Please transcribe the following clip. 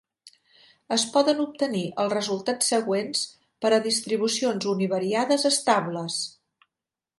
Es poden obtenir els resultats següents per a distribucions univariades estables.